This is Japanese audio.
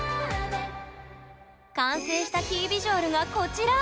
完成したキービジュアルがこちら！